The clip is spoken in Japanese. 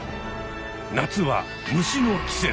夏は虫の季節。